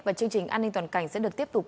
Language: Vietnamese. và chương trình an ninh toàn cảnh sẽ được tiếp tục